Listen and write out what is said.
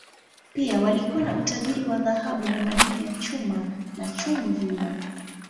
Pia walikuwa na utajiri wa dhahabu na madini ya chuma, na chumvi.